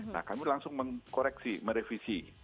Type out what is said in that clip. nah kami langsung mengkoreksi merevisi